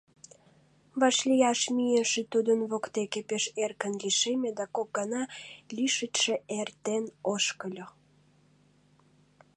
Вашлияш мийыше тудын воктеке пеш эркын лишеме да кок гана лишычше эртен ошкыльо.